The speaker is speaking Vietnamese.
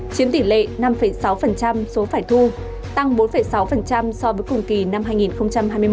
chiếm tỷ lệ năm sáu số phải thu tăng bốn sáu so với cùng kỳ năm hai nghìn hai mươi một